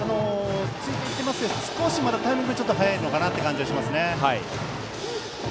ついていっていますが少しまだタイミングが早い感じがします。